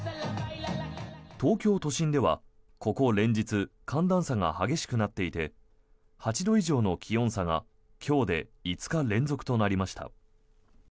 東京都心ではここ連日寒暖差が激しくなっていて８度以上の気温差が今日で５日連続となりました。